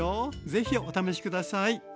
是非お試し下さい。